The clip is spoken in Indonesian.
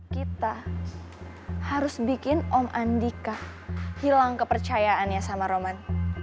kita harus bikin om andika hilang kepercayaannya sama roman